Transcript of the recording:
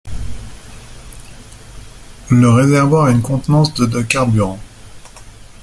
Le réservoir à une contenance de de carburants.